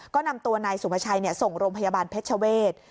ก็นำตัวนายสุภาชัยส่งโรงพยาบาลเพชรเวศ